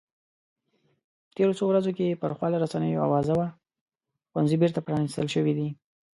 تېرو څو ورځو کې پر خواله رسنیو اوازه وه ښوونځي بېرته پرانیستل شوي دي